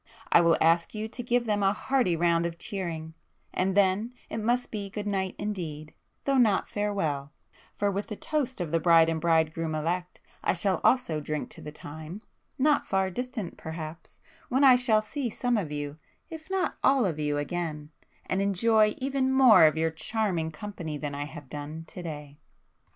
I will ask you to give them a hearty round of cheering,—and then it must be good night indeed, though not farewell,—for with the toast of the bride and bridegroom elect, I shall also drink to the time,—not far distant perhaps,—when I shall see some of you, if not all of you again, and enjoy even more of your charming company than I have done to day!"